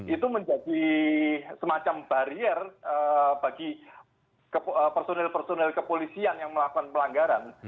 itu menjadi semacam barier bagi personil personil kepolisian yang melakukan pelanggaran